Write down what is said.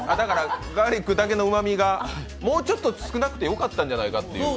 ガーリックだけのうまみがもうちょっと少なくてよかったんじゃないかって。